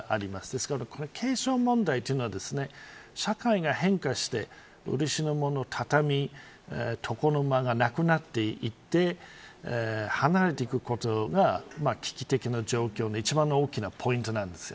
ですから、継承問題というのは社会が変化して売る品物、畳床の間がなくなっていって離れていくことが危機的な状況の一番の大きなポイントなんです。